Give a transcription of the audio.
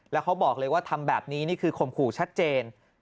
แล้วเขาบอกเลยว่าทำแบบนี้นี่คือข่มขู่ชัดเจน